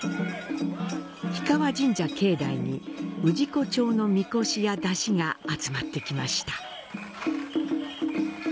氷川神社境内に氏子町のみこしや山車が集まってきました。